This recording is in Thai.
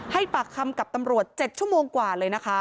ปากคำกับตำรวจ๗ชั่วโมงกว่าเลยนะคะ